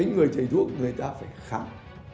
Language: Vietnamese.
người chạy thuốc phải khám